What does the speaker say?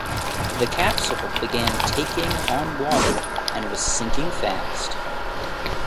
The capsule began taking on water and was sinking fast.